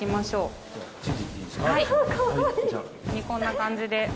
こんな感じで。